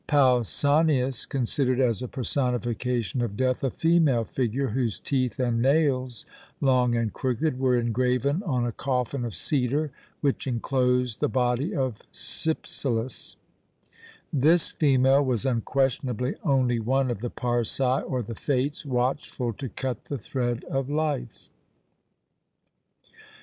Pausanias considered as a personification of death a female figure, whose teeth and nails, long and crooked, were engraven on a coffin of cedar, which enclosed the body of Cypselus; this female was unquestionably only one of the Parcæ, or the Fates, "watchful to cut the thread of life."